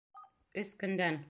Өс көндән!